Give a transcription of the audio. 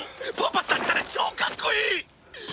パパさんったら超かっこいい！